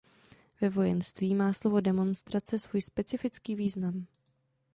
Ve vojenství má slovo demonstrace svůj specifický význam.